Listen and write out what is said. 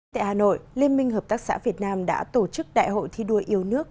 tại hà nội liên minh hợp tác xã việt nam đã tổ chức đại hội thi đua yêu nước